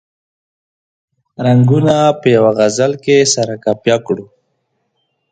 رنګونه په یوه غزل کې سره قافیه کړو.